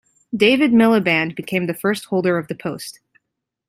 David Miliband became the first holder of the post.